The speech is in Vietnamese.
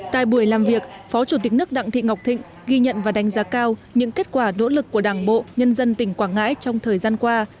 tại buổi làm việc phó chủ tịch nước đặng thị ngọc thịnh ghi nhận và đánh giá cao những kết quả nỗ lực của đảng bộ nhân dân tỉnh quảng ngãi trong thời gian qua